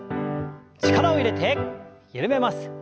力を入れて緩めます。